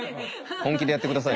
本気でやって下さい。